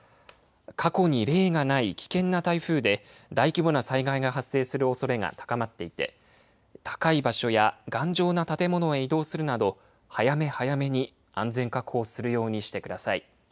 過去に例がない危険な台風で大規模な災害が発生するおそれが高まっていて高い場所や頑丈な建物へ移動するなど早め早めに安全確保をするようにしてください。